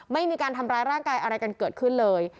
ไม่มีการทำร้ายร่างกายอะไรกันเกิดขึ้นเลย